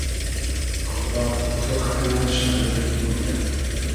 خودا کی تۉخ کئنۂ شایئد کی بوگیۂ